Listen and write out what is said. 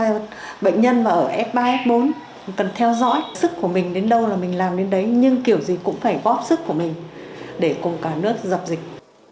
mình cần theo dõi sức của mình đến đâu là mình làm đến đấy nhưng kiểu gì cũng phải bóp sức của mình để cùng cả nước dập dịch